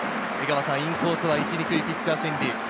インコースは行きにくいピッチャー心理。